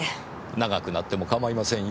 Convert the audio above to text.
長くなっても構いませんよ。